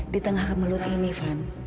di tengah melut ini van